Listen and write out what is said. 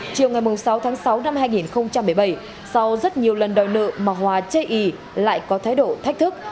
chiều ngày sáu tháng sáu năm hai nghìn một mươi bảy sau rất nhiều lần đòi nợ mà hòa chê ý lại có thái độ thách thức